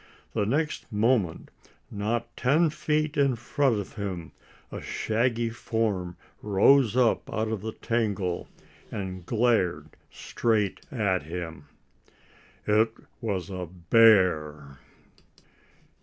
The next moment, not ten feet in front of him a shaggy form rose up out of the tangle and glared straight at him. It was a bear!